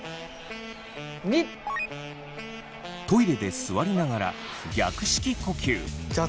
トイレで座りながら逆式呼吸。